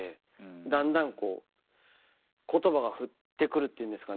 だんだんこう言葉が降ってくるっていうんですかね。